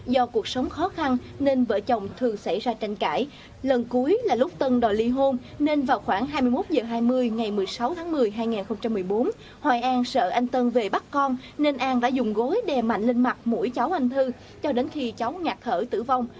do cuộc sống khó khăn nên vợ chồng thường xảy ra tranh cãi lần cuối là lúc tân đòi ly hôn nên vào khoảng hai mươi một h hai mươi ngày một mươi sáu tháng một mươi hai nghìn một mươi bốn hoài an sợ anh tân về bắt con nên an đã dùng gối đè mạnh lên mặt mũi cháu anh thư cho đến khi cháu ngạt thở tử vong